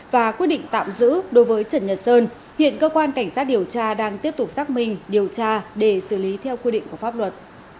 và quyết định tạm giữ đối với trần nhật sơn hiện cơ quan cảnh sát điều tra đang tiếp tục xác minh điều tra để xử lý theo quy định của pháp luật